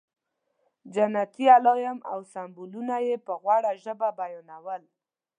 جنتي علایم او سمبولونه یې په غوړه ژبه بیانول.